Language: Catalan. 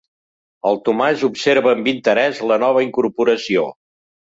El Tomàs observa amb interès la nova incorporació.